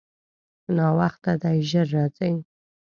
ناوخته دی، ژر راځئ.